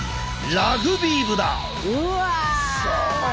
ラグビー部だ。